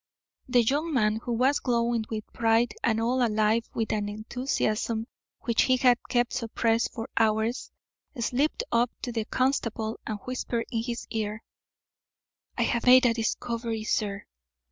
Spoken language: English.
The young man, who was glowing with pride and all alive with an enthusiasm which he had kept suppressed for hours, slipped up to the constable and whispered in his ear: "I have made a discovery, sir.